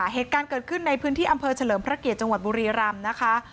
เหตุการณ์เกิดขึ้นในพื้นที่อำเภอเฉลิมพระเกียรติจังหวัดบุรีรำนะคะ